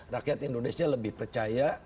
rakyat indonesia lebih percaya